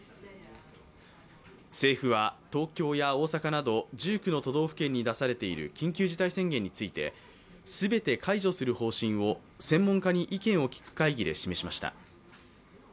政府は東京や大阪など１９の都道府県に出されている緊急事態宣言について、全て解除する方針を専門家に意見を聞く会議で示しました。